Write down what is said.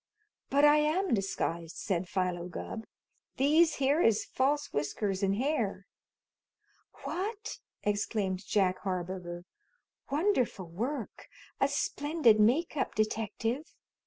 "But I am disguised," said Philo Gubb. "These here is false whiskers and hair." "What!" exclaimed Jack Harburger. "Wonderful work! A splendid make up, detective!